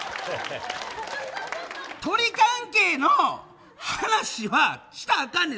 鳥関係の話はしたらあかんねん